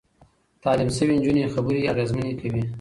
تعليم شوې نجونې خبرې اغېزمنې کوي.